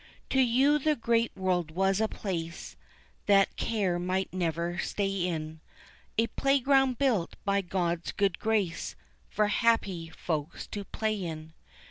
To you the great world was a place That care might never stay in, A playground built by God's good grace For happy folks to play in.